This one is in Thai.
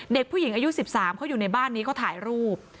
เด็กผู้หญิงอายุ๑๓เขาอยู่ในบ้านนี้เขาถ่ายรูป